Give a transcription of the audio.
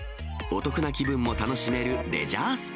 お得な気分も楽しめるレジャース